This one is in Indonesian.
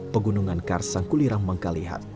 pegunungan karsang kulirang mengkalihat